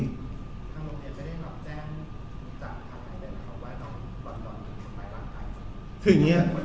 คุณแจ้งจากทางไหนได้ไหมครับว่าตอนนี้คุณต้องไปรักใคร